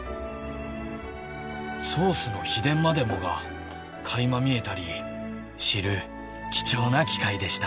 「ソースの秘伝までもが垣間見えたり知る」「貴重な機会でした」